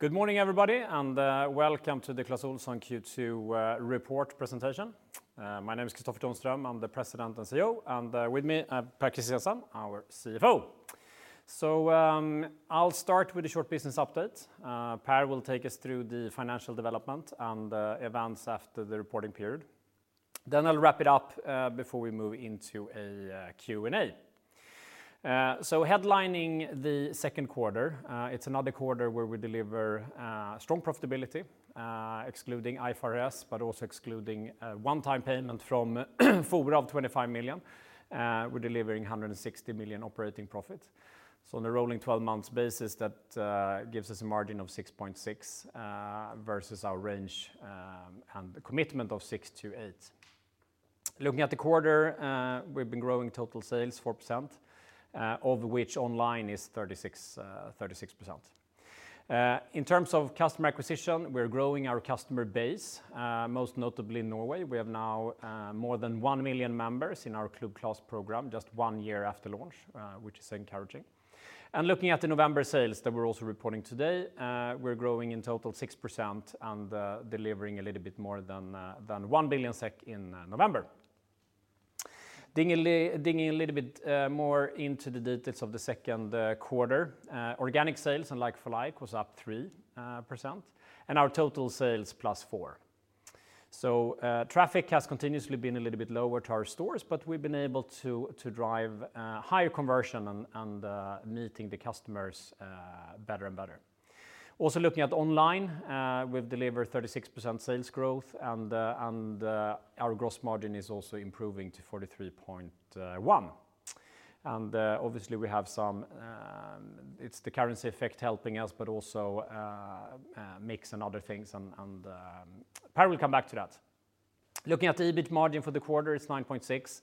Good morning, everybody, and welcome to the Clas Ohlson Q2 report presentation. My name is Kristofer Tonström. I'm the President and CEO, and with me, Pär Christiansen, our CFO. I'll start with a short business update. Pär will take us through the financial development and events after the reporting period. Then I'll wrap it up before we move into a Q&A. Headlining the second quarter, it's another quarter where we deliver strong profitability, excluding IFRS, but also excluding a one-time payment from Fora of 25 million. We're delivering 160 million operating profit. On a rolling 12 months basis, that gives us a margin of 6.6% versus our range and the commitment of 6%-8%. Looking at the quarter, we've been growing total sales 4%, of which online is 36%. In terms of customer acquisition, we're growing our customer base, most notably in Norway. We have now more than 1 million members in our Club Clas program just one year after launch, which is encouraging. Looking at the November sales that we're also reporting today, we're growing in total 6% and delivering a little bit more than 1 billion SEK in November. Digging a little bit more into the details of the second quarter, organic sales and like-for-like was up 3%, and our total sales 4%+. Traffic has continuously been a little bit lower to our stores, but we've been able to drive higher conversion and meeting the customers better and better. Also looking at online, we've delivered 36% sales growth and our gross margin is also improving to 43.1%. Obviously, it's the currency effect helping us, but also mix and other things, and Pär will come back to that. Looking at the EBIT margin for the quarter, it's 9.6%.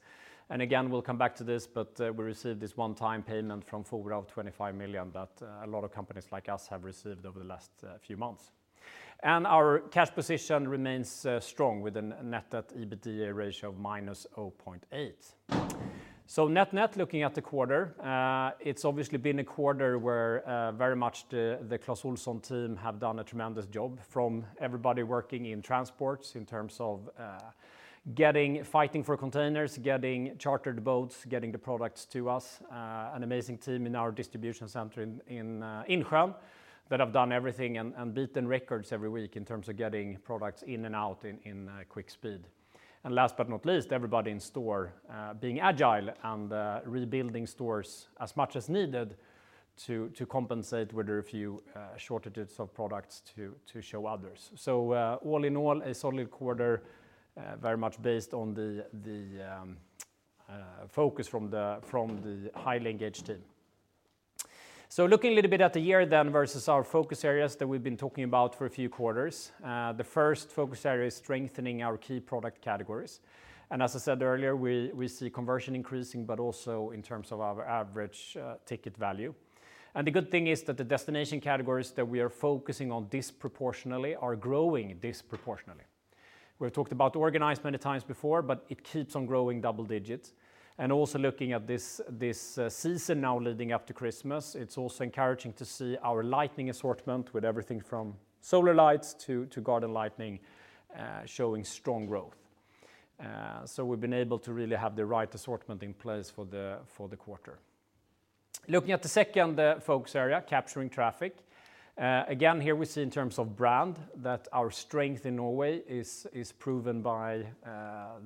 Again, we'll come back to this, but we received this one-time payment from Fora of 25 million that a lot of companies like us have received over the last few months. Our cash position remains strong with a net-to-EBITDA ratio of -0.8. Net-net, looking at the quarter, it's obviously been a quarter where very much the Clas Ohlson team have done a tremendous job from everybody working in transports in terms of fighting for containers, getting chartered boats, getting the products to us, an amazing team in our distribution center in Insjön that have done everything and beaten records every week in terms of getting products in and out in quick speed. Last but not least, everybody in store being agile and rebuilding stores as much as needed to compensate where there are a few shortages of products to show others. All in all, a solid quarter, very much based on the focus from the highly engaged team. Looking a little bit at the year then versus our focus areas that we've been talking about for a few quarters. The first focus area is strengthening our key product categories. As I said earlier, we see conversion increasing, but also in terms of our average ticket value. The good thing is that the destination categories that we are focusing on disproportionately are growing disproportionately. We've talked about organized many times before, but it keeps on growing double digits. Looking at this season now leading up to Christmas, it's also encouraging to see our lighting assortment with everything from solar lights to garden lighting showing strong growth. We've been able to really have the right assortment in place for the quarter. Looking at the second focus area, capturing traffic, again, here we see in terms of brand that our strength in Norway is proven by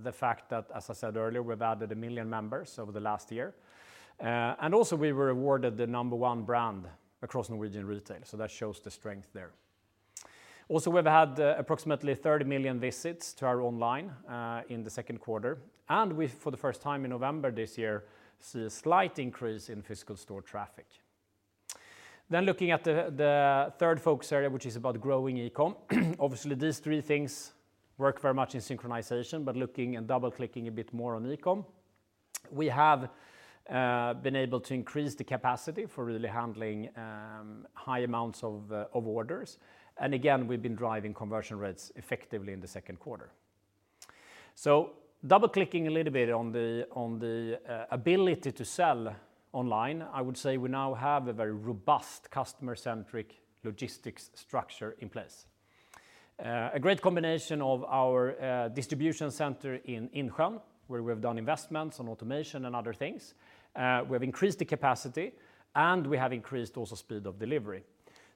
the fact that, as I said earlier, we've added 1 million members over the last year. Also we were awarded the number one brand across Norwegian retail. That shows the strength there. Also, we've had approximately 30 million visits to our online in the second quarter. We, for the first time in November this year, see a slight increase in physical store traffic. Looking at the third focus area, which is about growing eCom. Obviously, these three things work very much in synchronization, but looking and double-clicking a bit more on eCom, we have been able to increase the capacity for really handling high amounts of orders. Again, we've been driving conversion rates effectively in the second quarter. Double-clicking a little bit on the ability to sell online, I would say we now have a very robust customer-centric logistics structure in place, a great combination of our distribution center in Insjön, where we have done investments on automation and other things, we've increased the capacity, and we have increased also speed of delivery.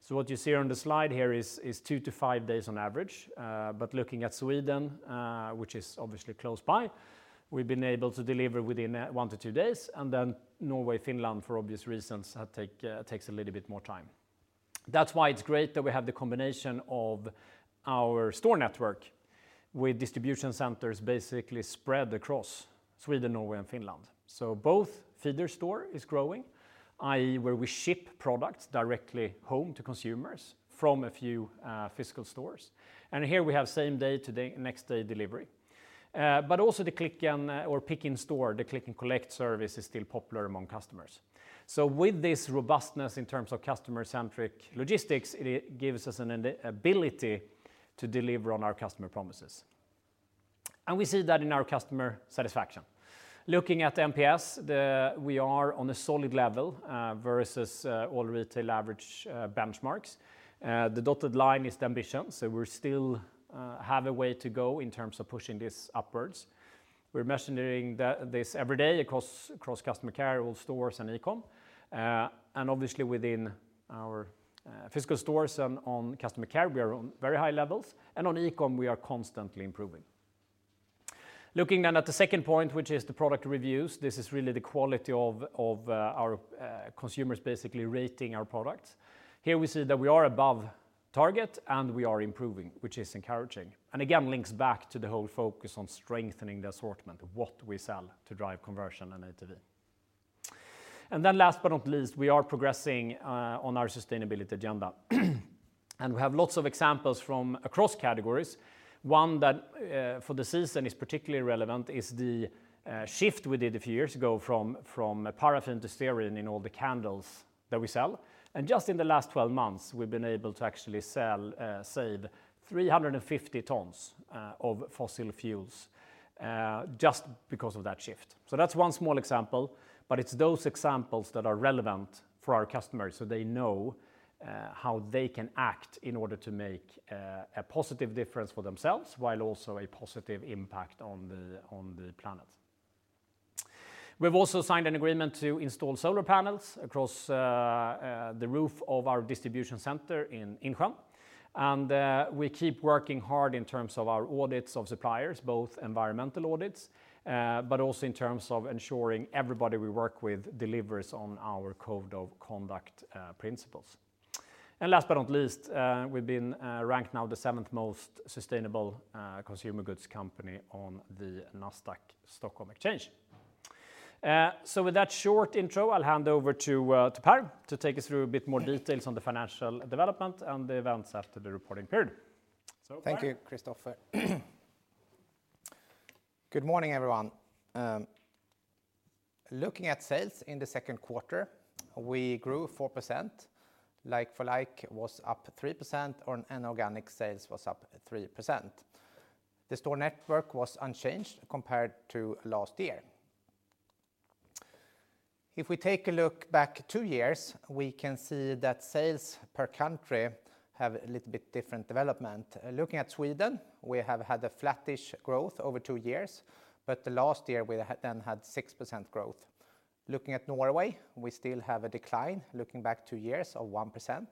What you see on the slide here is two to five days on average. Looking at Sweden, which is obviously close by, we've been able to deliver within one to two days. Norway, Finland, for obvious reasons, takes a little bit more time. That's why it's great that we have the combination of our store network with distribution centers basically spread across Sweden, Norway, and Finland. Both feeder store is growing, i.e., where we ship products directly home to consumers from a few physical stores. Here we have same day, next day delivery. Also the click and collect service is still popular among customers. With this robustness in terms of customer-centric logistics, it gives us an ability to deliver on our customer promises. We see that in our customer satisfaction. Looking at NPS, we are on a solid level versus all retail average benchmarks. The dotted line is the ambition, so we still have a way to go in terms of pushing this upwards. We're measuring this every day across customer care, all stores and eCom. Obviously within our physical stores and on customer care, we are on very high levels, and on eCom, we are constantly improving. Looking then at the second point, which is the product reviews, this is really the quality of our consumers basically rating our products. Here we see that we are above target and we are improving, which is encouraging, and again, links back to the whole focus on strengthening the assortment of what we sell to drive conversion and ATV. Then last but not least, we are progressing on our sustainability agenda. We have lots of examples from across categories. One that for the season is particularly relevant is the shift we did a few years ago from paraffin to stearin in all the candles that we sell. Just in the last 12 months, we've been able to actually save 350 tons of fossil fuels just because of that shift. That's one small example, but it's those examples that are relevant for our customers, so they know how they can act in order to make a positive difference for themselves, while also a positive impact on the planet. We've also signed an agreement to install solar panels across the roof of our distribution center in Insjön. We keep working hard in terms of our audits of suppliers, both environmental audits, but also in terms of ensuring everybody we work with delivers on our code of conduct principles. Last but not least, we've been ranked now the seventh most sustainable consumer goods company on the Nasdaq Stockholm Exchange. With that short intro, I'll hand over to Pär to take us through a bit more details on the financial development and the events after the reporting period. Pär. Thank you, Kristofer. Good morning, everyone. Looking at sales in the second quarter, we grew 4%. Like-for-like was up 3%, and organic sales was up 3%. The store network was unchanged compared to last year. If we take a look back two years, we can see that sales per country have a little bit different development. Looking at Sweden, we have had a flattish growth over two years, but the last year we had 6% growth. Looking at Norway, we still have a decline, looking back two years of 1%,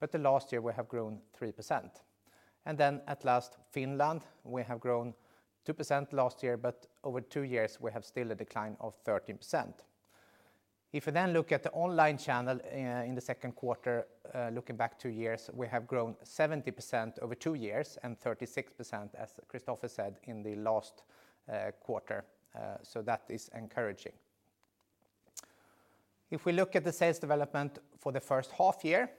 but the last year we have grown 3%. At last, Finland, we have grown 2% last year, but over two years, we have still a decline of 13%. If we look at the online channel in the second quarter, looking back two years, we have grown 70% over two years and 36%, as Kristofer said, in the last quarter, so that is encouraging. If we look at the sales development for the first half year,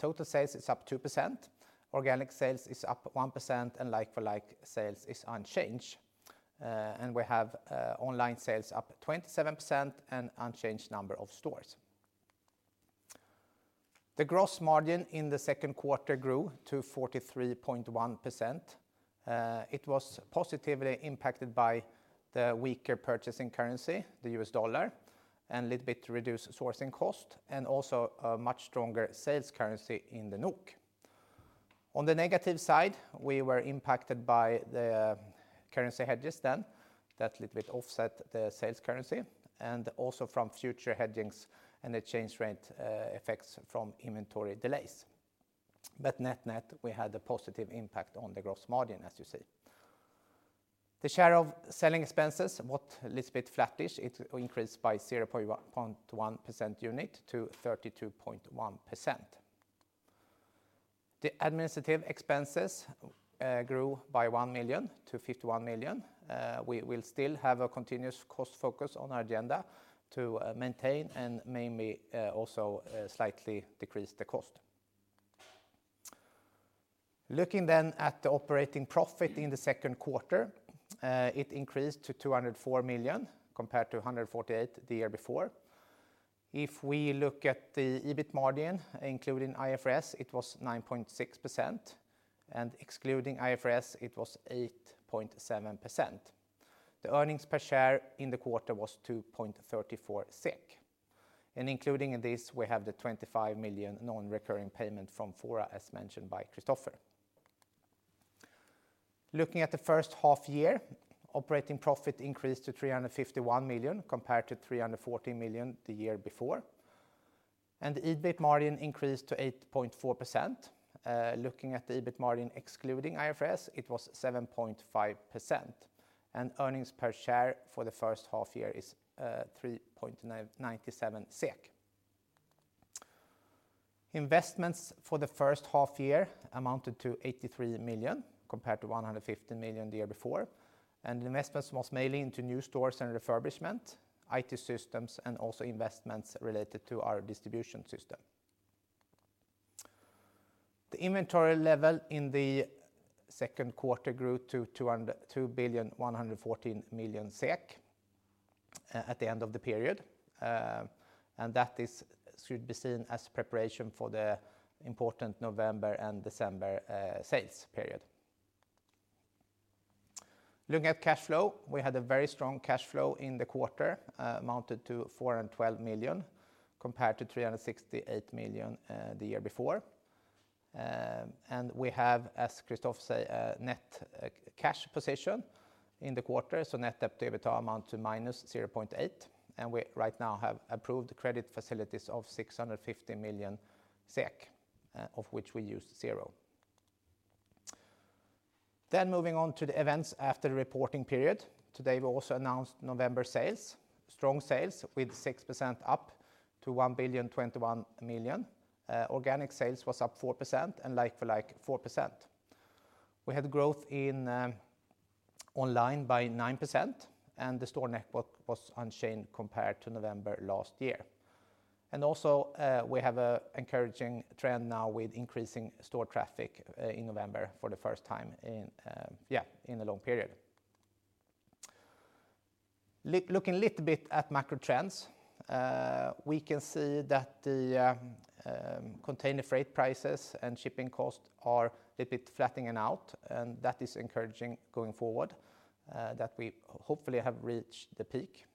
total sales is up 2%, organic sales is up 1%, and like-for-like sales is unchanged. We have online sales up 27% and unchanged number of stores. The gross margin in the second quarter grew to 43.1%. It was positively impacted by the weaker purchasing currency, the U.S. dollar, and little bit reduced sourcing cost, and also a much stronger sales currency in the NOK. On the negative side, we were impacted by the currency hedges then. That little bit offset the sales currency, and also from future hedging and the exchange rate effects from inventory delays. Net, we had a positive impact on the gross margin, as you see. The share of selling expenses a little bit flattish. It increased by 0.1 percentage point to 32.1%. The administrative expenses grew by 1 million to 51 million. We still have a continuous cost focus on our agenda to maintain and maybe also slightly decrease the cost. Looking at the operating profit in the second quarter, it increased to 204 million compared to 148 the year before. If we look at the EBIT margin, including IFRS, it was 9.6%, and excluding IFRS, it was 8.7%. The earnings per share in the quarter was 2.34 SEK. Including in this, we have the 25 million non-recurring payment from Fora, as mentioned by Kristofer. Looking at the first half year, operating profit increased to 351 million compared to 340 million the year before. EBIT margin increased to 8.4%. Looking at the EBIT margin excluding IFRS, it was 7.5%. Earnings per share for the first half year is 3.97 SEK. Investments for the first half year amounted to 83 million, compared to 150 million the year before. Investments was mainly into new stores and refurbishment, IT systems, and also investments related to our distribution system. The inventory level in the second quarter grew to 2,114 million SEK. At the end of the period, and that should be seen as preparation for the important November and December sales period. Looking at cash flow, we had a very strong cash flow in the quarter, amounted to 412 million compared to 368 million the year before. And we have, as Kristofer says, net cash position in the quarter. Net debt to EBITDA amounted to -0.8, and we right now have approved credit facilities of 650 million SEK, of which we used zero. Moving on to the events after the reporting period. Today we also announced November sales, strong sales with 6% up to 1,021 million. Organic sales was up 4% and like-for-like 4%. We had growth in online by 9% and the store network was unchanged compared to November last year. Also, we have an encouraging trend now with increasing store traffic in November for the first time in a long period. Looking a little bit at macro trends, we can see that the container freight prices and shipping costs are a bit flattening out, and that is encouraging going forward, that we hopefully have reached the peak.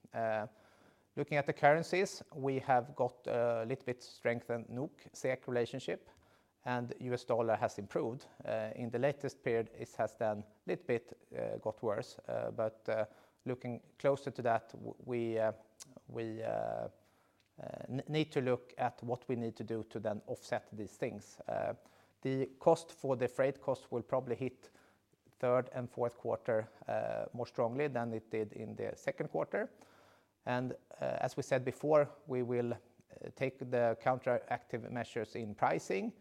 Looking at the currencies, we have got a little bit strengthened NOK/SEK relationship, and U.S. dollar has improved. In the latest period, it has done a little bit, got worse. Looking closer to that, we need to look at what we need to do to then offset these things. The cost for the freight cost will probably hit third and fourth quarter more strongly than it did in the second quarter. As we said before, we will take the counteractive measures in pricing,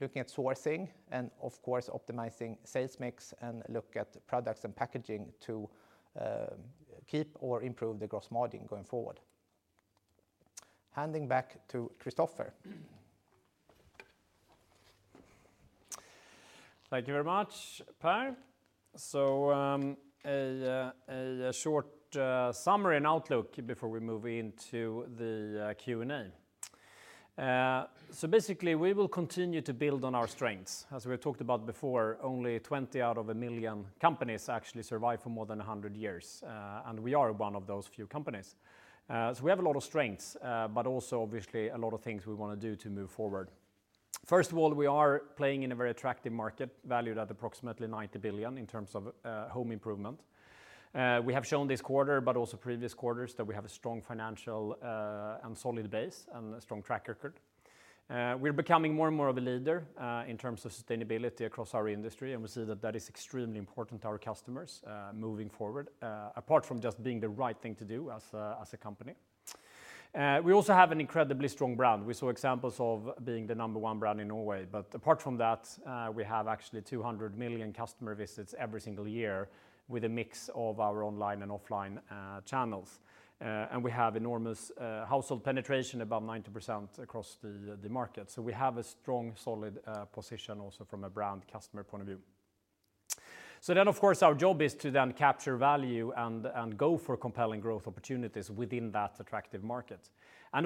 looking at sourcing, and of course optimizing sales mix, and look at products and packaging to keep or improve the gross margin going forward. Handing back to Kristofer. Thank you very much, Pär. A short summary and outlook before we move into the Q&A. Basically, we will continue to build on our strengths. As we talked about before, only 20 out of a million companies actually survive for more than 100 years, and we are one of those few companies. We have a lot of strengths, but also obviously a lot of things we wanna do to move forward. First of all, we are playing in a very attractive market, valued at approximately 90 billion in terms of home improvement. We have shown this quarter, but also previous quarters, that we have a strong financial and solid base and a strong track record. We're becoming more and more of a leader in terms of sustainability across our industry, and we see that is extremely important to our customers moving forward, apart from just being the right thing to do as a company. We also have an incredibly strong brand. We saw examples of being the number one brand in Norway. Apart from that, we have actually 200 million customer visits every single year with a mix of our online and offline channels. We have enormous household penetration, about 90% across the market. We have a strong, solid position also from a brand customer point of view. Of course, our job is to capture value and go for compelling growth opportunities within that attractive market.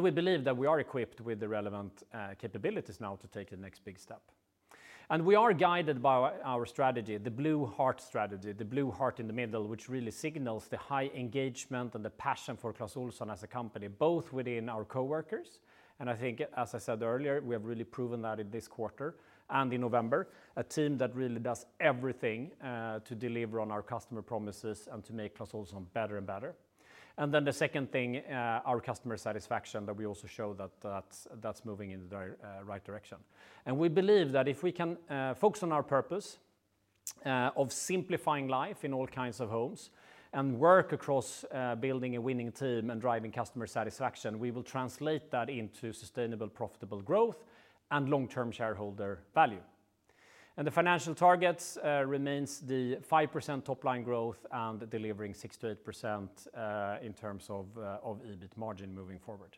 We believe that we are equipped with the relevant capabilities now to take the next big step. We are guided by our strategy, the blue heart strategy, the blue heart in the middle, which really signals the high engagement and the passion for Clas Ohlson as a company, both within our coworkers, and I think, as I said earlier, we have really proven that in this quarter and in November, a team that really does everything to deliver on our customer promises and to make Clas Ohlson better and better. Then the second thing, our customer satisfaction that we also show that that's moving in the right direction. We believe that if we can focus on our purpose of simplifying life in all kinds of homes and work across building a winning team and driving customer satisfaction, we will translate that into sustainable, profitable growth and long-term shareholder value. The financial targets remains the 5% top-line growth and delivering 6%-8% in terms of EBIT margin moving forward.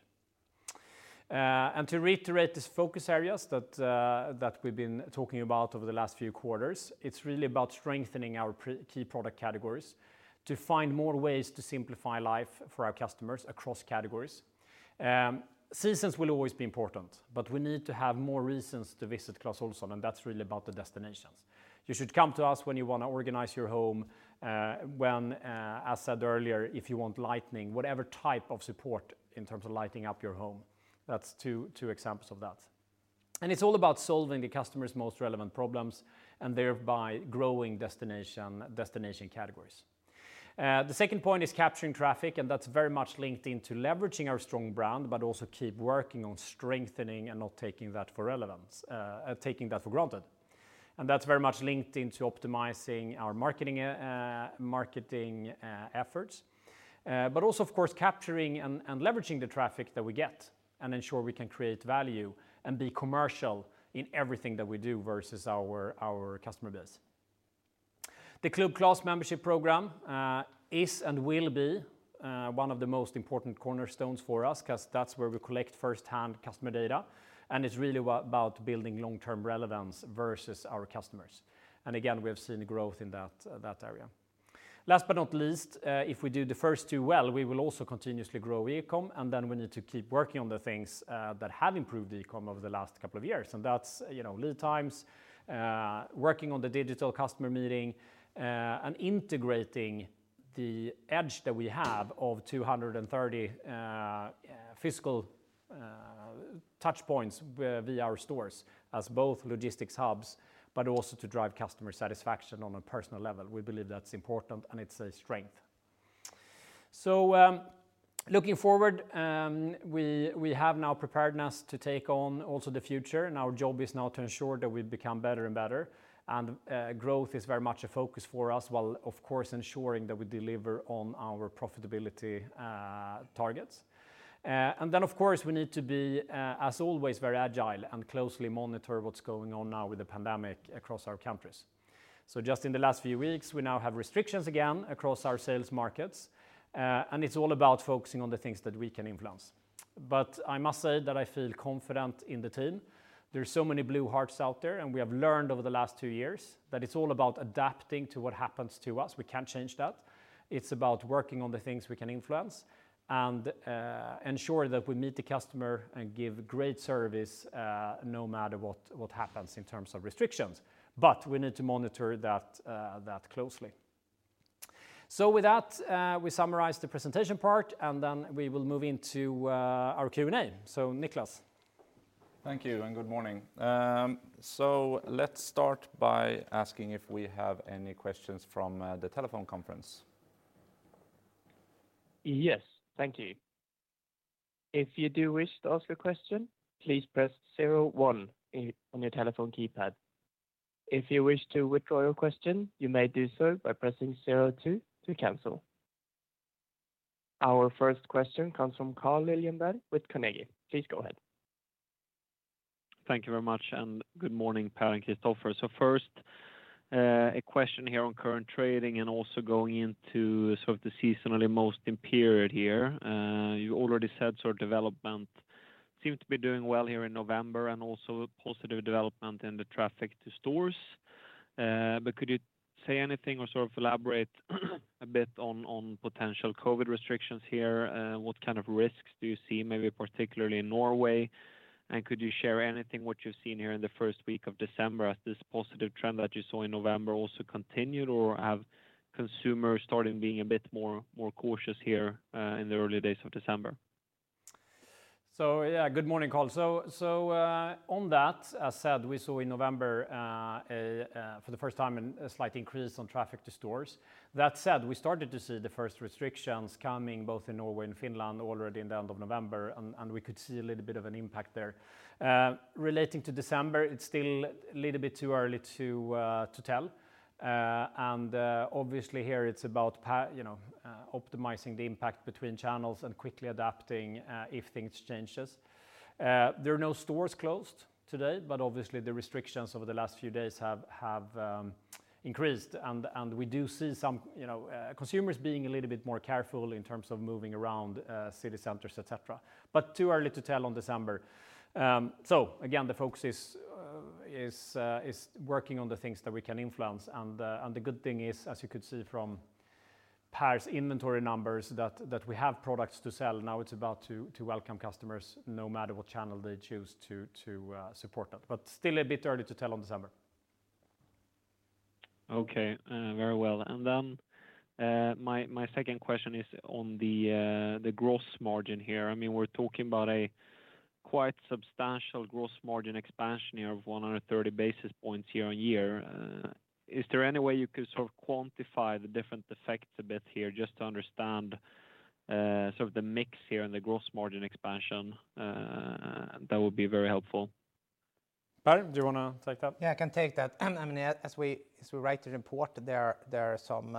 To reiterate these focus areas that we've been talking about over the last few quarters, it's really about strengthening our key product categories to find more ways to simplify life for our customers across categories. Seasons will always be important, but we need to have more reasons to visit Clas Ohlson, and that's really about the destinations. You should come to us when you wanna organize your home, as said earlier, if you want lighting, whatever type of support in terms of lighting up your home. That's two examples of that. It's all about solving the customer's most relevant problems and thereby growing destination categories. The second point is capturing traffic, and that's very much linked into leveraging our strong brand, but also keep working on strengthening and not taking that for granted. That's very much linked into optimizing our marketing efforts, but also of course, capturing and leveraging the traffic that we get and ensure we can create value and be commercial in everything that we do versus our customer base. The Club Clas membership program is and will be one of the most important cornerstones for us because that's where we collect first-hand customer data, and it's really about building long-term relevance with our customers. Again, we have seen growth in that area. Last but not least, if we do the first two well, we will also continuously grow eCom, and then we need to keep working on the things that have improved eCom over the last couple of years. That's, you know, lead times, working on the digital customer meeting, and integrating the edge that we have of 230 physical touch points whereby our stores as both logistics hubs, but also to drive customer satisfaction on a personal level. We believe that's important, and it's a strength. Looking forward, we have now preparedness to take on also the future. Our job is now to ensure that we become better and better. Growth is very much a focus for us, while, of course, ensuring that we deliver on our profitability targets. Of course, we need to be, as always, very agile and closely monitor what's going on now with the pandemic across our countries. Just in the last few weeks, we now have restrictions again across our sales markets, and it's all about focusing on the things that we can influence. I must say that I feel confident in the team. There are so many blue hearts out there, and we have learned over the last two years that it's all about adapting to what happens to us. We can't change that. It's about working on the things we can influence and ensure that we meet the customer and give great service no matter what happens in terms of restrictions. We need to monitor that closely. With that, we summarize the presentation part, and then we will move into our Q&A. Niklas. Thank you and good morning. Let's start by asking if we have any questions from the telephone conference. Yes. Thank you. If you do wish to ask a question, please press star one on your telephone keypad. If you wish to withdraw your question, you may do so by pressing star two to cancel. Our first question comes from Carl Deijenberg with Carnegie. Please go ahead. Thank you very much, and good morning, Pär and Kristofer. First, a question here on current trading and also going into sort of the seasonally most important period here. You already said sort of development seemed to be doing well here in November and also positive development in the traffic to stores. Could you say anything or sort of elaborate a bit on potential COVID restrictions here? What kind of risks do you see maybe particularly in Norway? Could you share anything about what you've seen here in the first week of December as this positive trend that you saw in November also continued, or have consumers started being a bit more cautious here in the early days of December? Yeah, good morning, Carl. On that, as said, we saw in November for the first time a slight increase on traffic to stores. That said, we started to see the first restrictions coming both in Norway and Finland already in the end of November, and we could see a little bit of an impact there. Relating to December, it's still a little bit too early to tell. Obviously here it's about Pär, you know, optimizing the impact between channels and quickly adapting if things changes. There are no stores closed today, but obviously the restrictions over the last few days have increased. We do see some, you know, consumers being a little bit more careful in terms of moving around city centers, et cetera. Too early to tell on December. Again, the focus is working on the things that we can influence. The good thing is, as you could see from Pär's inventory numbers, that we have products to sell. Now it's about to welcome customers no matter what channel they choose to support that. Still a bit early to tell on December. Okay. Very well. My second question is on the gross margin here. I mean, we're talking about a quite substantial gross margin expansion here of 130 basis points year-on-year. Is there any way you could sort of quantify the different effects a bit here just to understand sort of the mix here and the gross margin expansion? That would be very helpful. Pär, do you wanna take that? Yeah, I can take that. I mean, as we write the report, there are some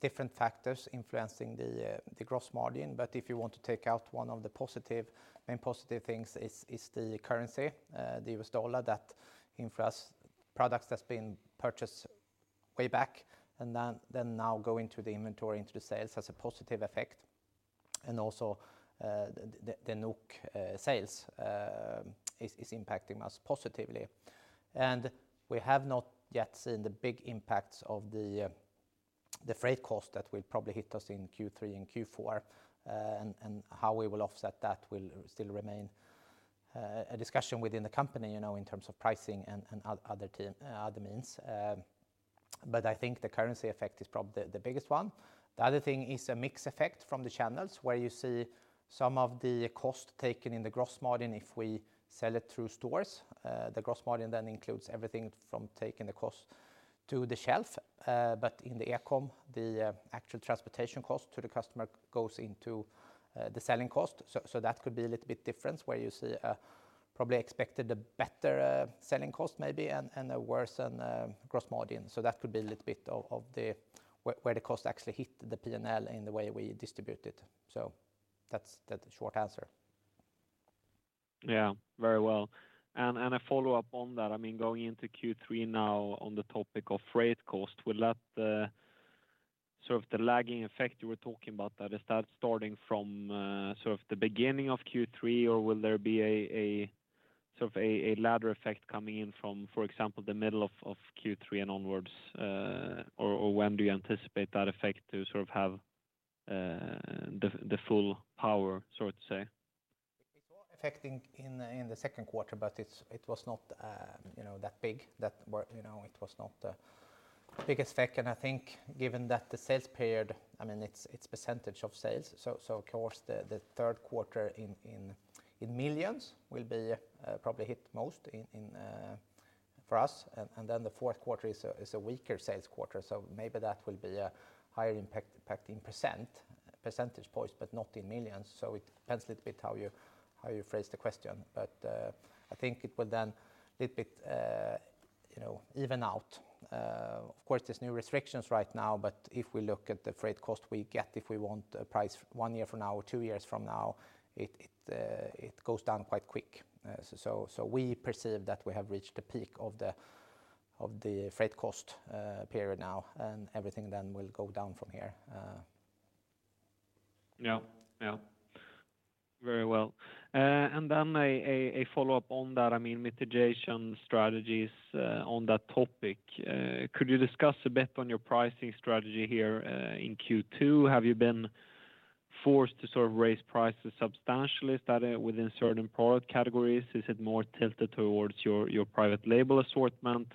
different factors influencing the gross margin. If you want to take out one of the positive, main positive things is the currency, the U.S. dollar that influence products that's been purchased way back and then now go into the inventory, into the sales, has a positive effect. Also, the NOK sales is impacting us positively. We have not yet seen the big impacts of the freight cost that will probably hit us in Q3 and Q4. How we will offset that will still remain a discussion within the company, you know, in terms of pricing and other means. I think the currency effect is the biggest one. The other thing is a mix effect from the channels, where you see some of the cost taken in the gross margin if we sell it through stores. The gross margin then includes everything from taking the cost to the shelf. In the eCom, the actual transportation cost to the customer goes into the selling cost. So that could be a little bit difference, where you probably expected a better selling cost maybe and a worse gross margin. So that could be a little bit of where the cost actually hit the P&L in the way we distribute it. So that's the short answer. Yeah. Very well. A follow-up on that, I mean, going into Q3 now on the topic of freight cost, will that sort of the lagging effect you were talking about, is that starting from sort of the beginning of Q3, or will there be a sort of a lagged effect coming in from, for example, the middle of Q3 and onwards, or when do you anticipate that effect to sort of have the full power, so to say? It's all affecting in the second quarter, but it was not that big. You know, it was not the biggest effect. I think given that the sales period, I mean, it's percentage of sales, so of course the third quarter in millions will be probably hit most for us. Then the fourth quarter is a weaker sales quarter, so maybe that will be a higher impact in percentage points, but not in millions. It depends a little bit how you phrase the question. I think it will then a little bit even out. Of course, there's new restrictions right now, but if we look at the freight cost we get, if we want a price one year from now or two years from now, it goes down quite quick. We perceive that we have reached the peak of the freight cost period now, and everything then will go down from here. Yeah. Yeah. Very well. A follow-up on that. I mean, mitigation strategies on that topic. Could you discuss a bit on your pricing strategy here in Q2? Have you been forced to sort of raise prices substantially? Is that within certain product categories? Is it more tilted towards your private label assortment?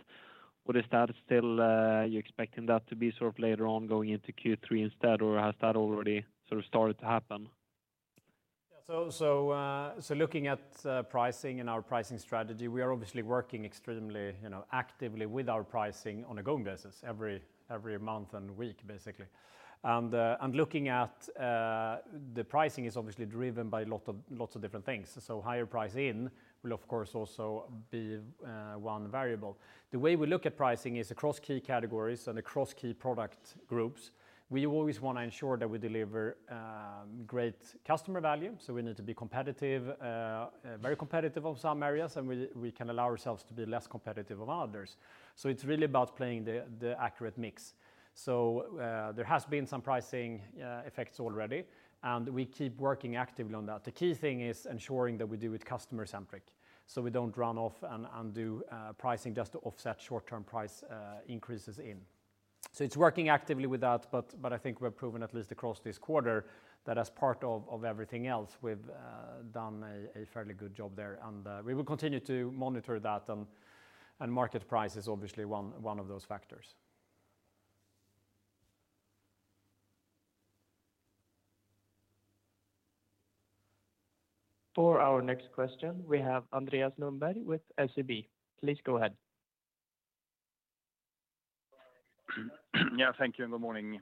Or is that still, you're expecting that to be sort of later on going into Q3 instead? Or has that already sort of started to happen? Yeah. Looking at pricing and our pricing strategy, we are obviously working extremely, you know, actively with our pricing on a going basis every month and week, basically. Looking at the pricing is obviously driven by lots of different things. Higher pricing will of course also be one variable. The way we look at pricing is across key categories and across key product groups. We always wanna ensure that we deliver great customer value, so we need to be competitive, very competitive in some areas, and we can allow ourselves to be less competitive in others. It's really about playing the accurate mix. There has been some pricing effects already, and we keep working actively on that. The key thing is ensuring that we do it customer-centric, so we don't run off and do pricing just to offset short-term price increases in. It's working actively with that, but I think we've proven at least across this quarter that as part of everything else, we've done a fairly good job there. We will continue to monitor that and market price is obviously one of those factors. For our next question, we have Andreas Lundberg with SEB. Please go ahead. Yeah, thank you. Good morning.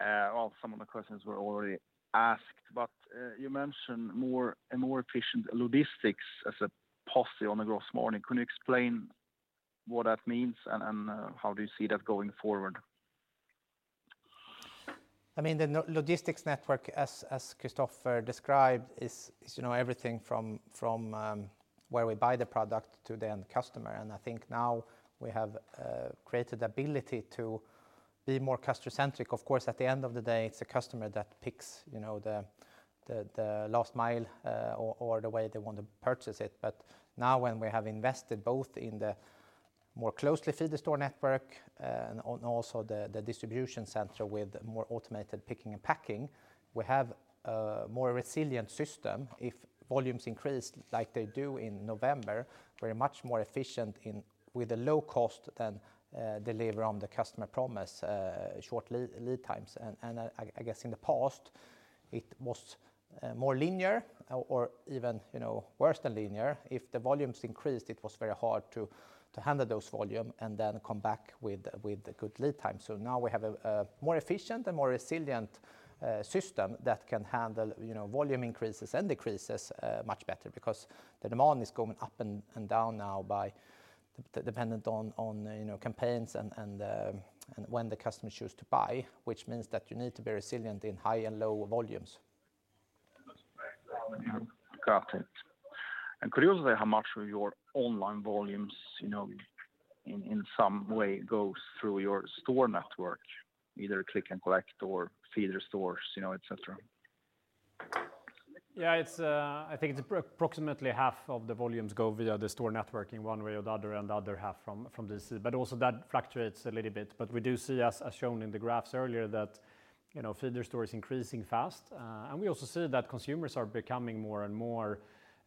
Well, some of the questions were already asked, but you mentioned a more efficient logistics as a positive on the gross margin. Can you explain what that means and how do you see that going forward? I mean, the logistics network, as Kristofer described, is you know everything from where we buy the product to the end customer. I think now we have created the ability to be more customer-centric. Of course, at the end of the day, it's the customer that picks you know the last mile or the way they want to purchase it. Now when we have invested both in to more closely feed the store network and also the distribution center with more automated picking and packing, we have a more resilient system. If volumes increase like they do in November, we're much more efficient with a low cost than to deliver on the customer promise short lead times. I guess in the past it was more linear or even, you know, worse than linear. If the volumes increased, it was very hard to handle those volume and then come back with a good lead time. Now we have a more efficient and more resilient system that can handle, you know, volume increases and decreases much better because the demand is going up and down now dependent on, you know, campaigns and when the customers choose to buy, which means that you need to be resilient in high and low volumes. Got it. Could you also say how much of your online volumes, you know, in some way goes through your store network, either click and collect or feeder stores, you know, et cetera? Yeah. It's, I think, approximately half of the volumes go via the store network in one way or the other, and the other half from this. It also fluctuates a little bit. We do see, as shown in the graphs earlier, that feeder store is increasing fast. We also see that consumers are becoming more and more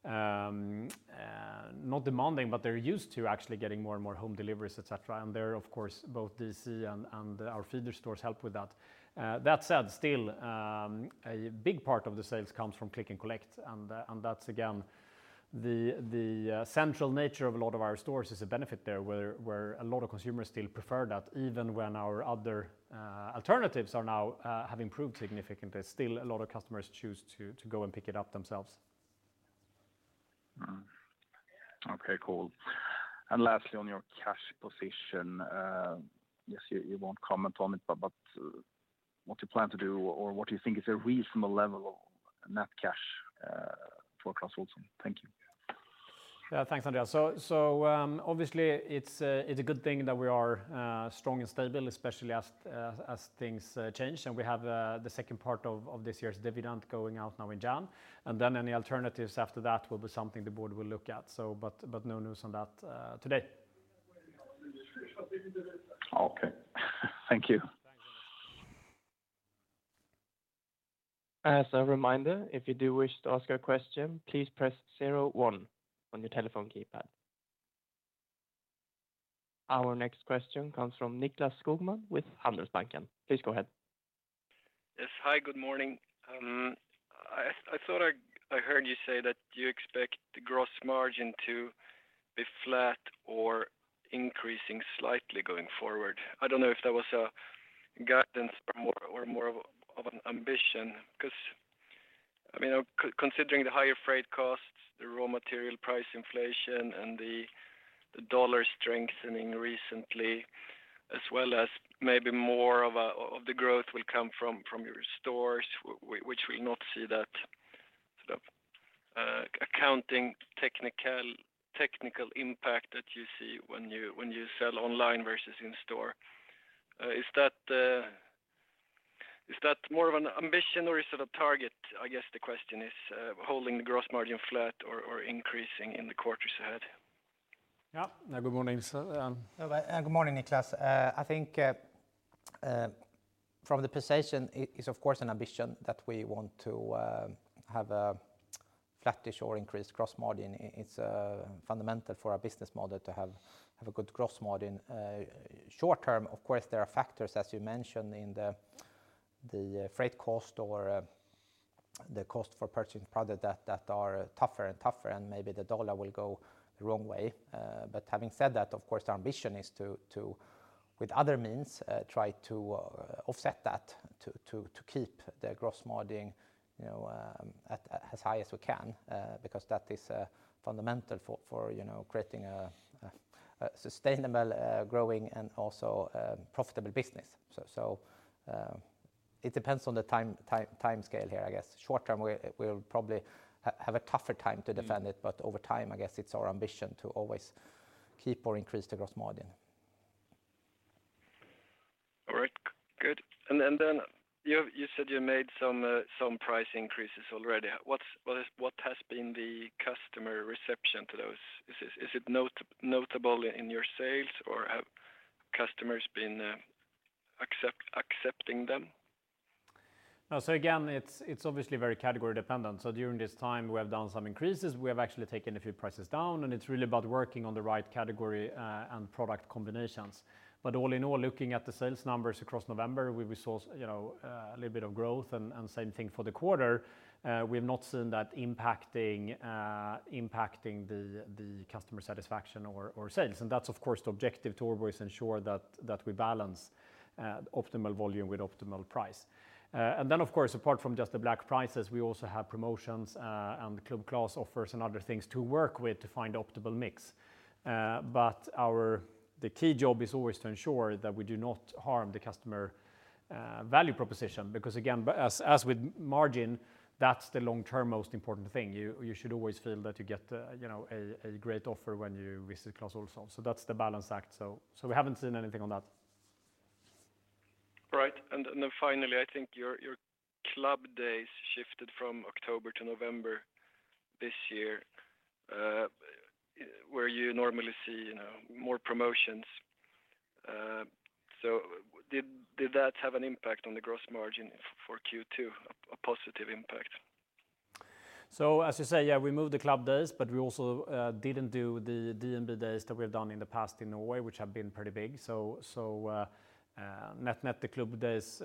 not demanding, but they're used to actually getting more and more home deliveries, et cetera. They're of course both DC and our feeder stores help with that. That said, still, a big part of the sales comes from click and collect, and that's again the central nature of a lot of our stores is a benefit there, where a lot of consumers still prefer that even when our other alternatives have now improved significantly. Still, a lot of customers choose to go and pick it up themselves. Mm-hmm. Okay, cool. Lastly, on your cash position, yes, you won't comment on it, but what you plan to do or what you think is a reasonable level of net cash for Clas Ohlson. Thank you. Yeah, thanks, Andreas. So obviously, it's a good thing that we are strong and stable, especially as things change. We have the second part of this year's dividend going out now in January. Then any alternatives after that will be something the board will look at. But no news on that today. Okay. Thank you. As a reminder, if you do wish to ask a question, please press zero one on your telephone keypad. Our next question comes from Nicklas Skogman with Handelsbanken. Please go ahead. Yes. Hi, good morning. I thought I heard you say that you expect the gross margin to be flat or increasing slightly going forward. I don't know if that was a guidance or more of an ambition, 'cause, I mean, considering the higher freight costs, the raw material price inflation and the dollar strengthening recently, as well as maybe more of the growth will come from your stores, which will not see that sort of accounting technical impact that you see when you sell online versus in store. Is that more of an ambition or is it a target? I guess the question is, holding the gross margin flat or increasing in the quarters ahead. Yeah. Good morning, sir. Good morning, Niklas. I think from the position it is, of course, an ambition that we want to have a flattish or increased gross margin. It's fundamental for our business model to have a good gross margin. Short term, of course, there are factors, as you mentioned, in the freight cost or the cost for purchasing product that are tougher and tougher, and maybe the dollar will go the wrong way. Having said that, of course, our ambition is to keep the gross margin, you know, at as high as we can because that is fundamental for you know, creating a sustainable growing and also profitable business. It depends on the timescale here, I guess. Short term, we'll probably have a tougher time to defend it, but over time, I guess it's our ambition to always keep or increase the gross margin. All right. Good. Then you said you made some price increases already. What has been the customer reception to those? Is it notable in your sales or have customers been accepting them? No. Again, it's obviously very category dependent. During this time we have done some increases. We have actually taken a few prices down, and it's really about working on the right category and product combinations. All in all, looking at the sales numbers across November, we saw, you know, a little bit of growth and same thing for the quarter. We have not seen that impacting the customer satisfaction or sales. That's of course the objective to always ensure that we balance optimal volume with optimal price. Then of course, apart from just the black prices, we also have promotions and Club Clas offers and other things to work with to find optimal mix. But our, the key job is always to ensure that we do not harm the customer value proposition because again, as with margin, that's the long-term most important thing. You should always feel that you get you know a great offer when you visit Clas Ohlson. That's the balancing act. We haven't seen anything on that. Right. Then finally, I think your Club Days shifted from October to November this year, where you normally see, you know, more promotions. Did that have an impact on the gross margin for Q2, a positive impact? As you say, yeah, we moved the Club Days, but we also didn't do the DNB Days that we have done in the past in a way which have been pretty big. Net, the Club Days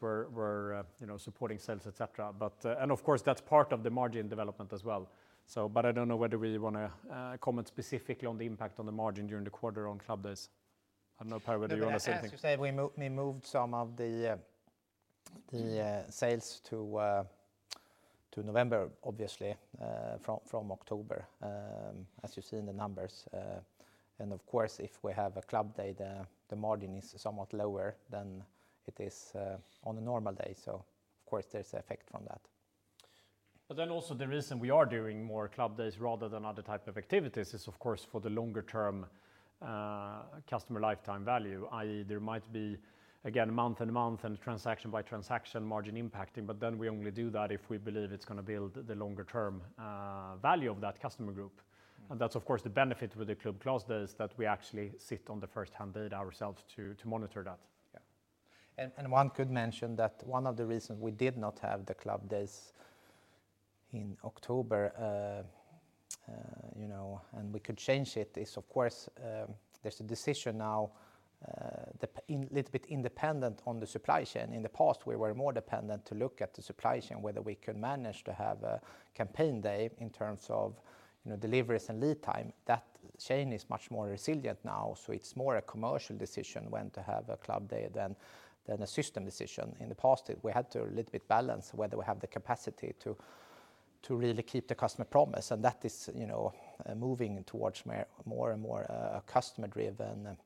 were, you know, supporting sales, et cetera. And of course, that's part of the margin development as well, but I don't know whether we wanna comment specifically on the impact on the margin during the quarter on Club Days. I don't know, Pär, whether you wanna say anything. As you say, we moved some of the sales to November, obviously, from October, as you see in the numbers. Of course, if we have a Club Day, the margin is somewhat lower than it is on a normal day. Of course, there's effect from that. Also the reason we are doing more Club Days rather than other type of activities is of course for the longer term, customer lifetime value, i.e., there might be again month-to-month and transaction-by-transaction margin impacting. We only do that if we believe it's gonna build the longer term value of that customer group. That's of course the benefit with the Club Clas Days that we actually sit on the first-hand data ourselves to monitor that. Yeah. One could mention that one of the reasons we did not have the Club Days in October, you know, and we could change it, is of course there's a decision now that's a little bit independent on the supply chain. In the past, we were more dependent to look at the supply chain, whether we could manage to have a campaign day in terms of, you know, deliveries and lead time. That chain is much more resilient now, so it's more a commercial decision when to have a Club Day than a system decision. In the past, we had to a little bit balance whether we have the capacity to really keep the customer promise, and that is, you know, moving towards more and more customer driven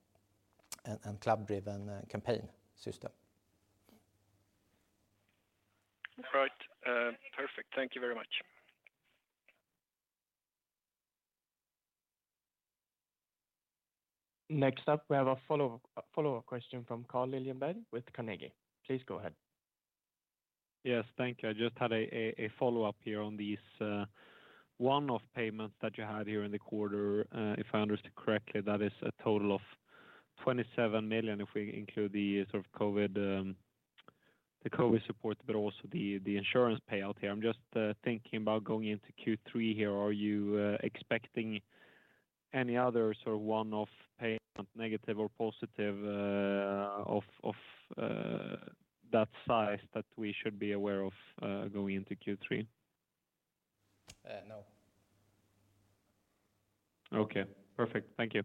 and Club driven campaign system. All right. Perfect. Thank you very much. Next up, we have a follow-up question from Carl Deijenberg with Carnegie. Please go ahead. Yes, thank you. I just had a follow-up here on these one-off payments that you had here in the quarter. If I understood correctly, that is a total of 27 million, if we include the sort of COVID, the COVID support, but also the insurance payout here. I'm just thinking about going into Q3 here. Are you expecting any other sort of one-off payment, negative or positive, of that size that we should be aware of, going into Q3? No. Okay, perfect. Thank you.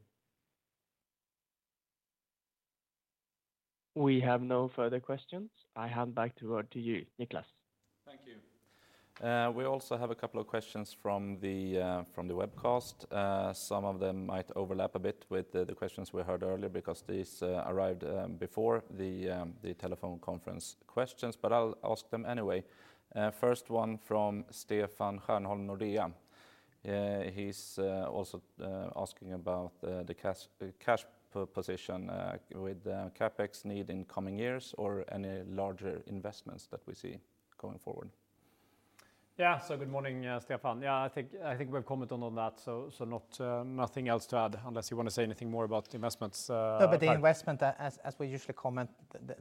We have no further questions. I hand back to you, Niklas. Thank you. We also have a couple of questions from the webcast. Some of them might overlap a bit with the questions we heard earlier because these arrived before the telephone conference questions, but I'll ask them anyway. First one from Stefan Stjernholm, Nordea. He's also asking about the cash position with CapEx need in coming years or any larger investments that we see going forward. Yeah. Good morning, Stefan. Yeah, I think we've commented on that. Nothing else to add unless you wanna say anything more about the investments, Pär. No, but the investment, as we usually comment,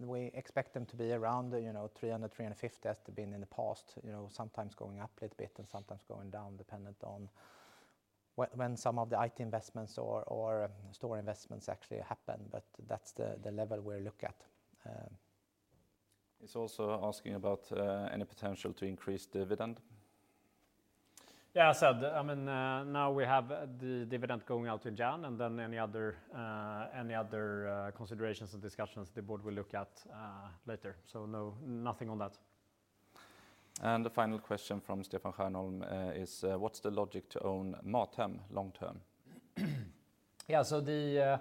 we expect them to be around, you know, 300-350 as they've been in the past. You know, sometimes going up a little bit and sometimes going down, dependent on when some of the IT investments or store investments actually happen. That's the level we look at. He's also asking about any potential to increase dividend. Yeah. As said, I mean, now we have the dividend going out in January, and then any other considerations and discussions the board will look at later. So no, nothing on that. The final question from Stefan Stjernholm is, what's the logic to own MatHem long term? Yeah, the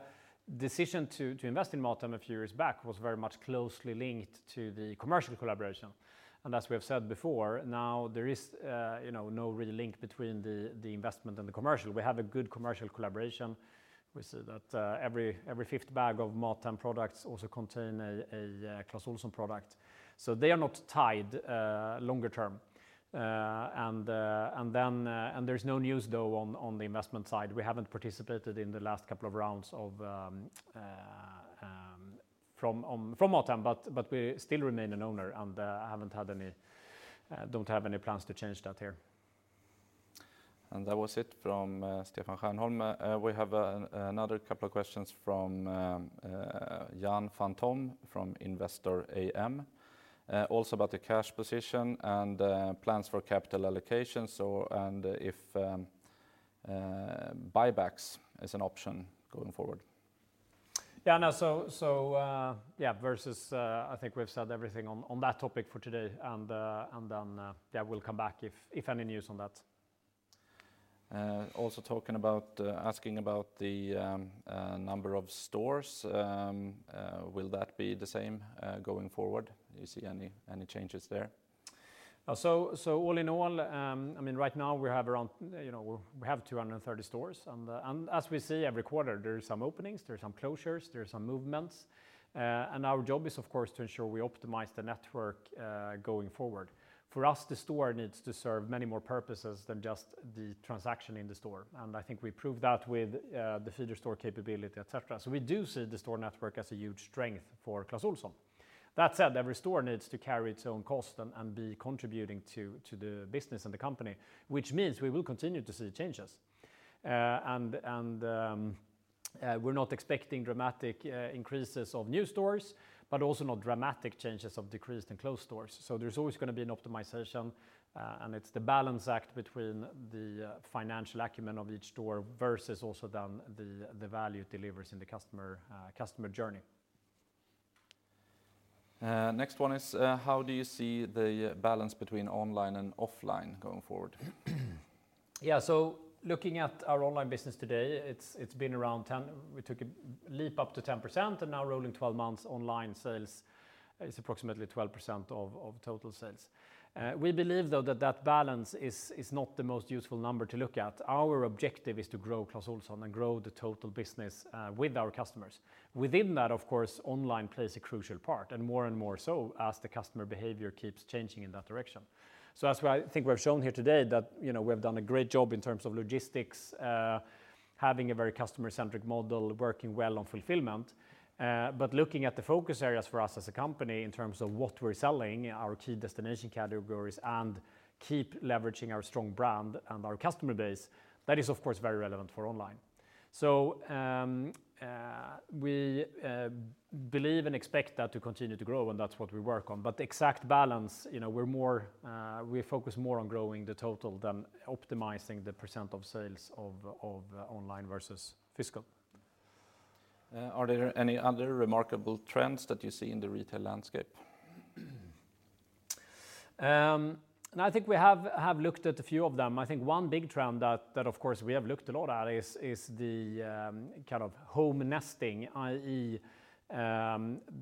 decision to invest in MatHem a few years back was very much closely linked to the commercial collaboration. As we have said before, now there is, you know, no real link between the investment and the commercial. We have a good commercial collaboration. We see that every fifth bag of MatHem products also contains a Clas Ohlson product, so they are not tied longer term. There's no news though on the investment side. We haven't participated in the last couple of rounds from MatHem, but we still remain an owner and I don't have any plans to change that here. That was it from Stefan Stjernholm. We have another couple of questions from Jan Phanthom from Investor AB, also about the cash position and plans for capital allocation, and if buybacks is an option going forward. Yeah. No. I think we've said everything on that topic for today. Then, yeah, we'll come back if any news on that. Also talking about asking about the number of stores. Will that be the same going forward? You see any changes there? All in all, I mean, right now we have around, you know, we have 230 stores and as we see every quarter, there are some openings, there are some closures, there are some movements. Our job is of course to ensure we optimize the network, going forward. For us, the store needs to serve many more purposes than just the transaction in the store, and I think we proved that with the feeder store capability, et cetera. We do see the store network as a huge strength for Clas Ohlson. That said, every store needs to carry its own cost and be contributing to the business and the company, which means we will continue to see changes. We're not expecting dramatic increases of new stores, but also not dramatic changes of decreased and closed stores. There's always gonna be an optimization, and it's the balance act between the financial acumen of each store versus also then the value it delivers in the customer journey. Next one is, how do you see the balance between online and offline going forward? Yeah. Looking at our online business today, it's been around 10. We took a leap up to 10%, and now rolling 12 months online sales is approximately 12% of total sales. We believe though that balance is not the most useful number to look at. Our objective is to grow Clas Ohlson and grow the total business with our customers. Within that, of course, online plays a crucial part, and more and more so as the customer behavior keeps changing in that direction. That's why I think we've shown here today that, you know, we have done a great job in terms of logistics, having a very customer-centric model, working well on fulfillment. Looking at the focus areas for us as a company in terms of what we're selling, our key destination categories and keep leveraging our strong brand and our customer base, that is of course very relevant for online. We believe and expect that to continue to grow, and that's what we work on. The exact balance, you know, we focus more on growing the total than optimizing the percent of sales of online versus physical. Are there any other remarkable trends that you see in the retail landscape? No, I think we have looked at a few of them. I think one big trend that of course we have looked a lot at is the kind of home nesting, i.e.,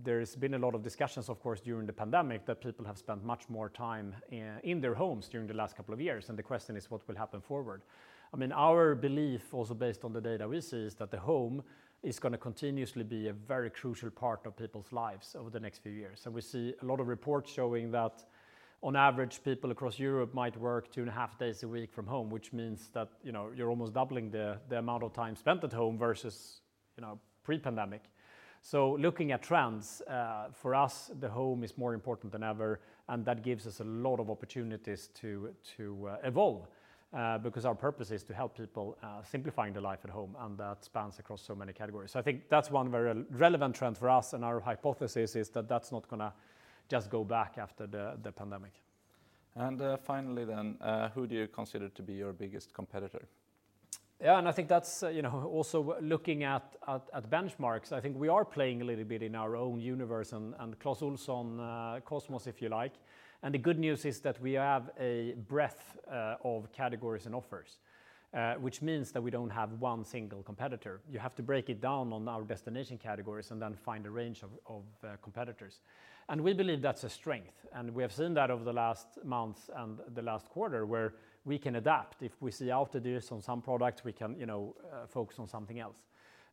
there's been a lot of discussions, of course, during the pandemic that people have spent much more time in their homes during the last couple of years, and the question is, what will happen forward? I mean, our belief, also based on the data we see, is that the home is gonna continuously be a very crucial part of people's lives over the next few years. We see a lot of reports showing that on average, people across Europe might work two and a half days a week from home, which means that, you know, you're almost doubling the amount of time spent at home versus, you know, pre-pandemic. Looking at trends, for us, the home is more important than ever, and that gives us a lot of opportunities to evolve, because our purpose is to help people simplifying their life at home, and that spans across so many categories. I think that's one very relevant trend for us, and our hypothesis is that that's not gonna just go back after the pandemic. Finally then, who do you consider to be your biggest competitor? Yeah, I think that's, you know, also looking at benchmarks, I think we are playing a little bit in our own universe and Clas Ohlson cosmos, if you like. The good news is that we have a breadth of categories and offers, which means that we don't have one single competitor. You have to break it down on our destination categories and then find a range of competitors. We believe that's a strength, and we have seen that over the last months and the last quarter, where we can adapt. If we see outliers on some products, we can, you know, focus on something else.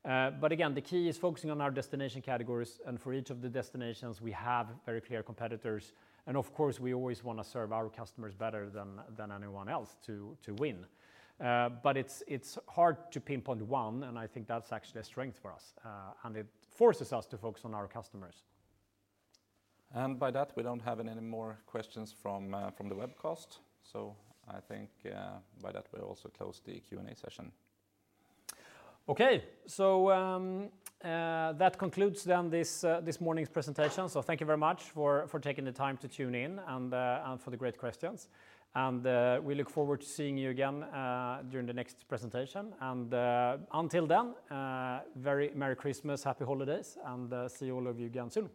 Again, the key is focusing on our destination categories and for each of the destinations we have very clear competitors. Of course, we always wanna serve our customers better than anyone else to win. But it's hard to pinpoint one, and I think that's actually a strength for us. It forces us to focus on our customers. By that, we don't have any more questions from the webcast. I think by that we'll also close the Q&A session. That concludes this morning's presentation. Thank you very much for taking the time to tune in and for the great questions. We look forward to seeing you again during the next presentation. Until then, very Merry Christmas, Happy Holidays, and see all of you again soon.